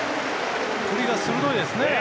振りが鋭いですね。